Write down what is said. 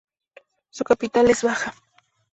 Su capital es Baja.